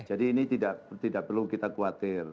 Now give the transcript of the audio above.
jadi ini tidak perlu kita khawatir